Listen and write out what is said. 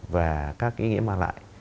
và các cái nghĩa mang lại